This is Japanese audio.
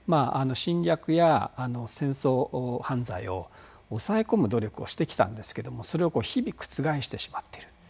侵略や戦争犯罪を抑え込む努力をしてきたんですけどそれを日々、覆してしまっている。